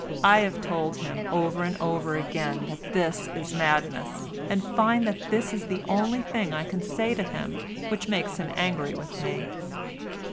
I have told him over and over again that this is madness, and find that this is the only thing I can say to him which makes him angry with me.